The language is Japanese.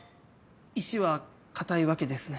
意志は固いわけですね。